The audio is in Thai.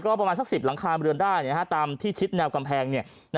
ประมาณสัก๑๐หลังคาเรือนได้ตามที่คิดแนวกำแพง